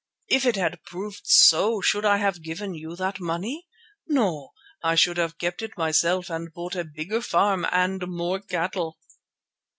If it had proved so, should I have given you that money? No, I should have kept it myself and bought a bigger farm and more cattle."